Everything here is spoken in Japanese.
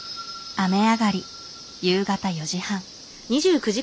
雨上がり夕方４時半。